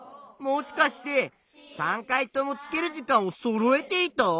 もしかして３回とも付ける時間をそろえていた？